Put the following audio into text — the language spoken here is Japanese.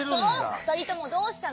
ふたりともどうしたの？